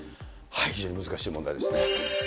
非常に難しい問題ですね。